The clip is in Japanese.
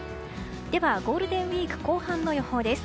では、ゴールデンウィーク後半の予報です。